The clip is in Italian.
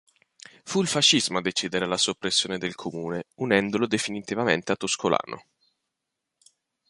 Fu il fascismo a decidere la soppressione del comune unendolo definitivamente a Toscolano.